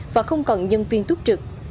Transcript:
và không còn nhân viên túc trực